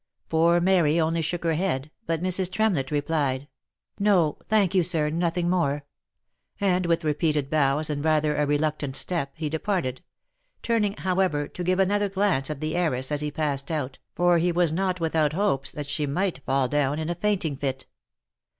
Poor Mary only shook her head, but Mrs. Tremlett replied, " No, thank you sir, nothing more ;" and with repeated bows, and rather a re luctant step, he departed ; turning, however, to give another glance at the heiress, as he passed out, for he was not without hopes that she might fall down in a fainting fit.